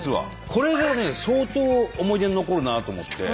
これがね相当思い出に残るなと思って。